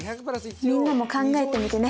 みんなも考えてみてね。